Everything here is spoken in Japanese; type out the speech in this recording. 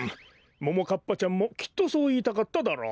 ももかっぱちゃんもきっとそういいたかったダロ。